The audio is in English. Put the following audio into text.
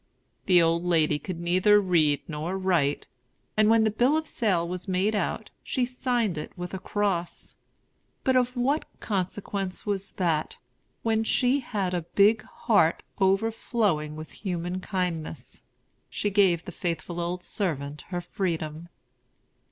The old lady could neither read nor write; and when the bill of sale was made out, she signed it with a cross. But of what consequence was that, when she had a big heart overflowing with human kindness? She gave the faithful old servant her freedom.